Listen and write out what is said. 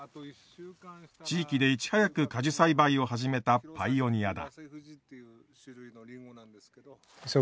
地域でいち早く果樹栽培を始めたパイオニアだ。